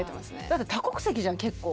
だって多国籍じゃん結構。